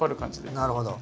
なるほど。